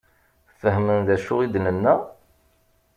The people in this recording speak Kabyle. Fehmen d acu i d-nenna?